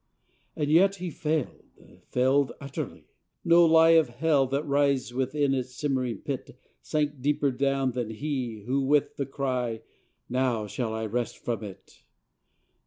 And yet he failed! failed utterly! No lie Of Hell, that writhes within its simmering pit, Sank deeper down than he, who, with the cry, "Now shall I rest from it!"